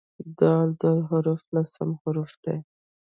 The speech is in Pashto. د "د" حرف لسم حرف دی.